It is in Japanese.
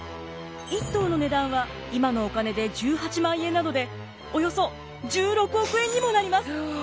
１頭の値段は今のお金で１８万円なのでおよそ１６億円にもなります。